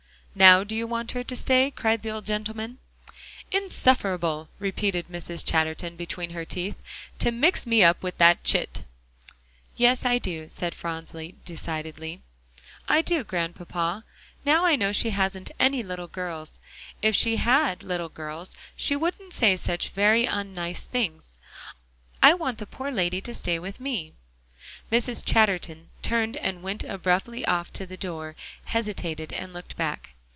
"Now do you want her to stay?" cried the old gentleman. "Insufferable!" repeated Mrs. Chatterton between her teeth, "to mix me up with that chit!" "Yes, I do," said Phronsie decidedly, "I do, Grandpapa. Now I know she hasn't any little girls if she had little girls, she wouldn't say such very unnice things; I want the poor lady to stay with me." Mrs. Chatterton turned and went abruptly off to the door, hesitated, and looked back.